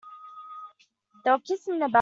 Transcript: They were kissing in the backyard.